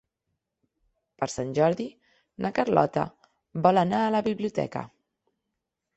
Per Sant Jordi na Carlota vol anar a la biblioteca.